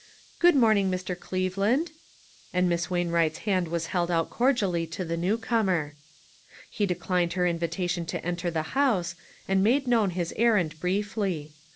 " Good morning, Mr. Cleveland," and Miss Wain Wright's hand was held out cordially to the new comer. He declined her invitation to enter the house, and made known his errand briefly.